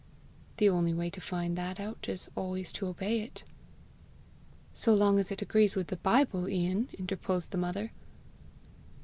"The only way to find that out is always to obey it." "So long as it agrees with the Bible, Ian!" interposed the mother.